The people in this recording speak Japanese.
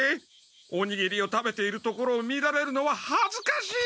おにぎりを食べているところを見られるのははずかしい！